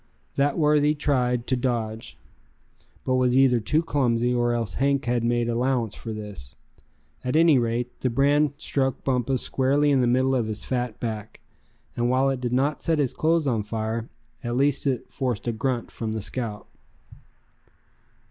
That worthy tried to dodge, but was either too clumsy, or else Hank had made allowances for this. At any rate, the brand struck Bumpus squarely in the middle of his fat back; and while it did not set his clothes on fire, at least it forced a grunt from the scout.